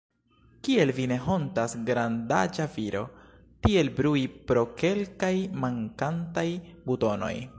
Kiel vi ne hontas, grandaĝa viro, tiel brui pro kelkaj mankantaj butonoj!